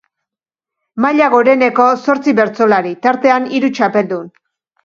Maila goreneko zortzi bertsolari, tartean hiru txapeldun.